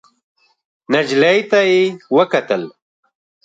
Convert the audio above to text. نجلۍ ته يې وکتل.